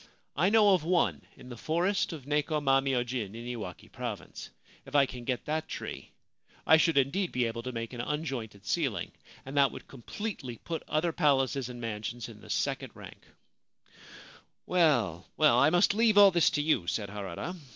I know of one in the forest of Neko ma myojin, in Iwaki Province. If I can get that tree, I should indeed be able to make an unjointed ceiling, and that would completely put other palaces and mansions in the second rank/ ' Well, well, I must leave all this to you/ said Harada.